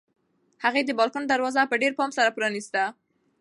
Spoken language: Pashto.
هغې د بالکن دروازه په ډېر پام سره پرانیسته.